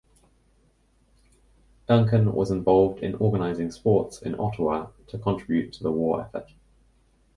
Duncan was involved in organizing sports in Ottawa to contribute to the war effort.